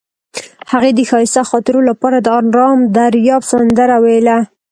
هغې د ښایسته خاطرو لپاره د آرام دریاب سندره ویله.